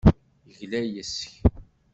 Yegla yes-k.